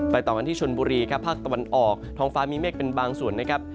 ต่อกันที่ชนบุรีครับภาคตะวันออกท้องฟ้ามีเมฆเป็นบางส่วนนะครับ